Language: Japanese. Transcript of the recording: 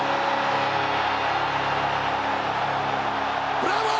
ブラボー！